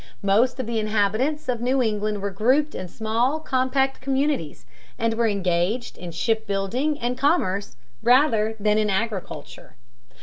Most of the inhabitants of New England were grouped in small, compact communities, and were engaged in shipbuilding and commerce, rather than in agriculture.